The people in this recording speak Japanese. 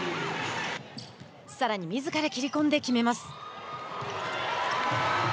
さらにみずから切り込んで決めます。